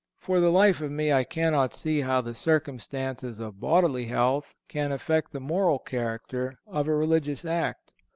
For the life of me, I cannot see how the circumstances of bodily health can affect the moral character of a religious act.